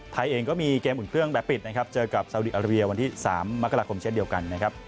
ไทยเองก็มีเกมอุ่นเครื่องแบบปิดนะครับเจอกับสาวดีอาราเบียวันที่๓มกราคมเช่นเดียวกันนะครับ